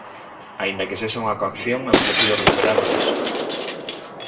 Aínda que sexa unha coacción, eu prefiro recuperar o piso.